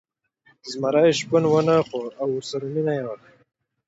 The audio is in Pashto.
زمري شپون ونه خوړ او ورسره مینه یې وکړه.